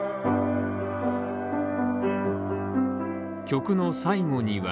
曲の最後には